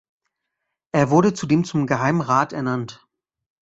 Er wurde zudem zum Geheimen Rat ernannt.